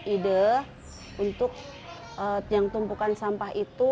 ide untuk yang tumpukan sampah itu